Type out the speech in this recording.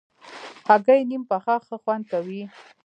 هګۍ نیم پخه ښه خوند لري.